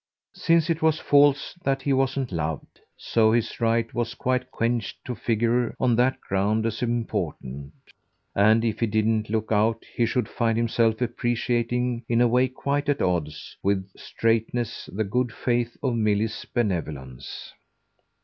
Since it was false that he wasn't loved, so his right was quite quenched to figure on that ground as important; and if he didn't look out he should find himself appreciating in a way quite at odds with straightness the good faith of Milly's benevolence.